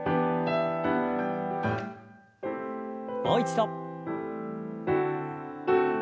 もう一度。